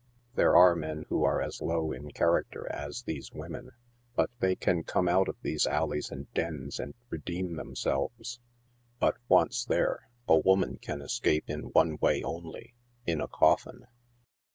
There are men Avho are as low in character as these women ; but they can come out of these alleys and dens and redeem themselves ; but, once there, a woman can escape in one way only — in o coffin.